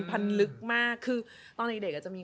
ผลลึกมากคือตอนในเด็กนะจะมี